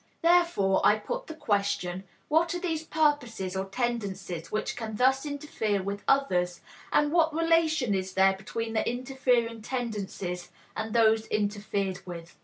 Therefore, I put the question: What are these purposes or tendencies which can thus interfere with others, and what relation is there between the interfering tendencies and those interfered with?